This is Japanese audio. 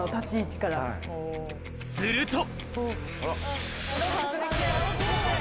すると！